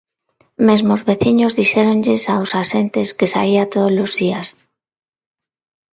Mesmo os veciños dixéronlles aos axentes que saía todos os días.